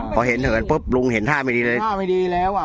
พอเห็นเหินปุ๊บลุงเห็นท่าไม่ดีเลยท่าไม่ดีแล้วอ่ะ